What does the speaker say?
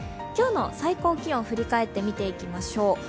今日の最高気温、振り返って見ていきましょう。